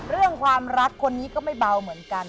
เรื่องความรักคนนี้ก็ไม่เบาเหมือนกัน